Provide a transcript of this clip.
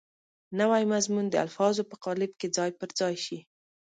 نوی مضمون د الفاظو په قالب کې ځای پر ځای شي.